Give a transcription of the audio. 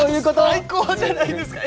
最高じゃないですか！